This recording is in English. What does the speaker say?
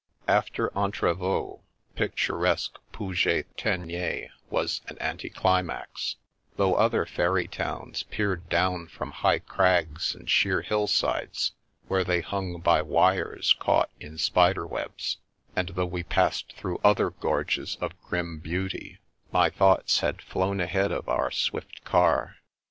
After Entrevaux, picturesque Puget Theniers was an anticlimax; though other fairy towns peered down from high crags and sheer hillsides where they hung by wires caught in spider webs — and though we passed through other gorges of grim 352 The Princess Passes beauty, my thoughts had flown ahead of our swift car.